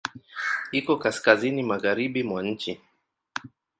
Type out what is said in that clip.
Iko kaskazini magharibi mwa nchi.